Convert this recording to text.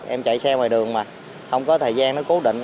em chạy xe ngoài đường mà không có thời gian nó cố định